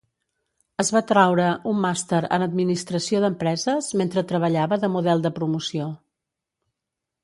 Es va traure un màster en administració d'empreses mentre treballava de model de promoció.